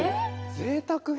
ぜいたく品。